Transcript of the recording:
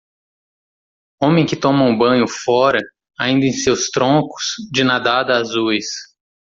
Homem que toma um banho fora ainda em seus troncos de nadada azuis.